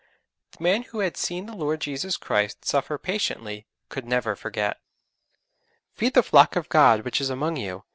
The man who had seen the Lord Jesus Christ suffer patiently could never forget. '_Feed the flock of God which is among you....